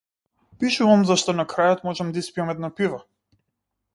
Пишувам зашто на крајот можам да испијам едно пиво.